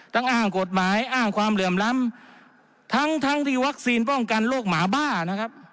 อ้างกฎหมายอ้างความเหลื่อมล้ำทั้งทั้งที่วัคซีนป้องกันโรคหมาบ้านะครับ